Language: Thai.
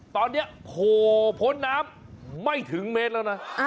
ตอนนี้โผล่พ้นน้ำไม่ถึงเมตรแล้วนะ